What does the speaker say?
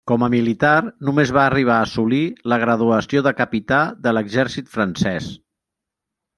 Com a militar només va arribar a assolir la graduació de capità de l'exèrcit francès.